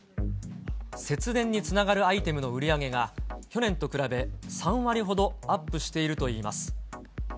節電につながるアイテムの売り上げが、去年と比べ３割ほどアップしているといいます。